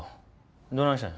どないしたんや。